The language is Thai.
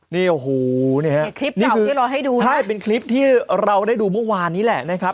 นี่โอ้โหนี่ฮะคลิปเก่าที่เราให้ดูใช่เป็นคลิปที่เราได้ดูเมื่อวานนี้แหละนะครับ